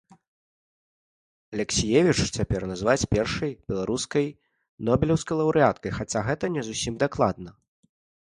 Алексіевіч цяпер называюць першай беларускай нобелеўскай лаўрэаткай, хаця, гэта не зусім дакладна.